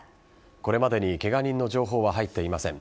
これまでにケガ人の情報は入っていません。